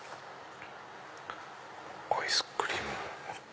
アイスクリームも。